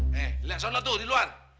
hei liat sana tuh di luar